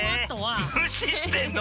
むししてんの。